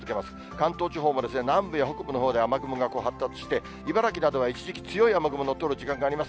関東地方も南部や北部のほうで雨雲が発達して、茨城などは一時期強い通る時間帯があります。